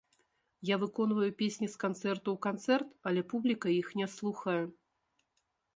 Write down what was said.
Я выконваю песні з канцэрту ў канцэрт, але публіка іх не слухае.